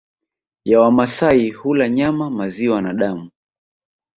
ya Wamasai hula nyama maziwa na damu